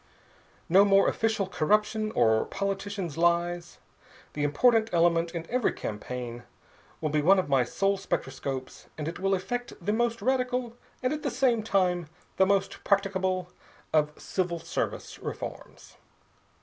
"No more official corruption or politicians' lies. The important element in every campaign will be one of my soul spectroscopes, and it will effect the most radical, and, at the same time, the most practicable of civil service reforms.